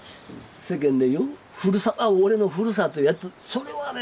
世間で言う俺のふるさとやとそれはね